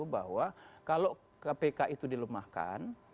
bahwa kalau kpk itu dilemahkan